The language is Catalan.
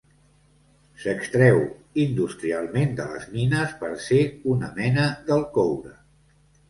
S'extreu industrialment de les mines per ser una mena del coure.